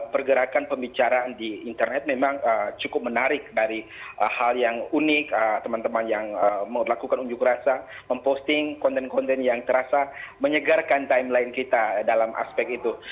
pergerakan pembicaraan di internet memang cukup menarik dari hal yang unik teman teman yang melakukan unjuk rasa memposting konten konten yang terasa menyegarkan timeline kita dalam aspek itu